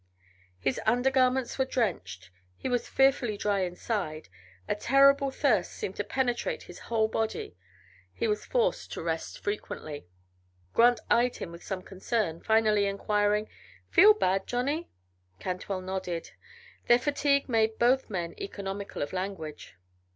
His undergarments were drenched; he was fearfully dry inside; a terrible thirst seemed to penetrate his whole body; he was forced to rest frequently. Grant eyed him with some concern, finally inquiring, "Feel bad, Johnny?" Cantwell nodded. Their fatigue made both men economical of language.